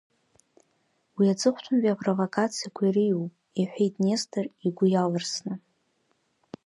Уи аҵыхәтәантәи апровокациақәа иреиуоуп, — иҳәеит Нестор игәы иалырсны.